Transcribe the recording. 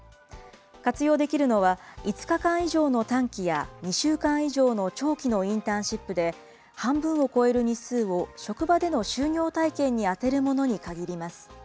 活用できるのは、５日間以上の短期や、２週間以上の長期のインターンシップで、半分を超える日数を職場での就業体験にあてるものに限ります。